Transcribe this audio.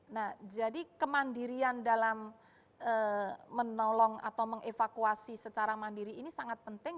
nah jadi kemandirian dalam menolong atau mengevakuasi secara mandiri ini sangat penting